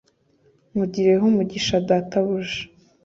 nkugirireho umugisha databuja